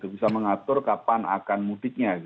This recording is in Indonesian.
bisa mengatur kapan akan mudiknya